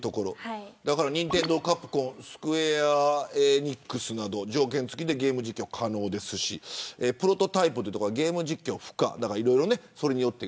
任天堂、カプコンスクウェア・エニックスなど条件付きでゲーム実況可能ですしプロトタイプというところはゲーム実況不可。